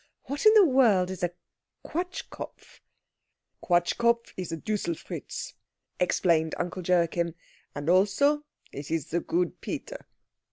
"What in the world is a Quatschkopf?" "Quatschkopf is a Duselfritz," explained Uncle Joachim, "and also it is the good Peter."